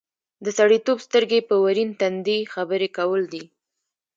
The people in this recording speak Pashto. د سړیتوب سترګې په ورین تندي خبرې کول دي.